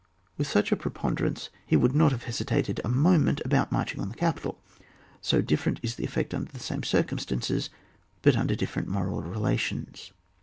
With such a preponderance he would not have hesitated a moment about marching on the capital. So dif ferent is the etiect under the same cir cumstances but under difierent moral relations.